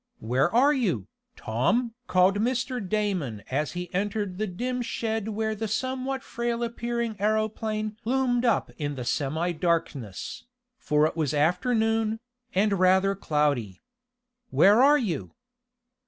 Where are you, Tom?" called Mr. Damon as he entered the dim shed where the somewhat frail appearing aeroplane loomed up in the semi darkness, for it was afternoon, and rather cloudy. "Where are you?"